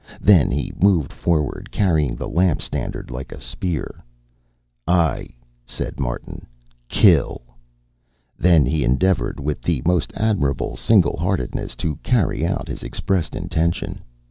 Then he moved forward, carrying the lamp standard like a spear. "I," said Martin, "kill." He then endeavored, with the most admirable single heartedness, to carry out his expressed intention.